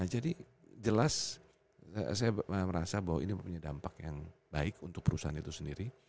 jelas saya merasa bahwa ini mempunyai dampak yang baik untuk perusahaan itu sendiri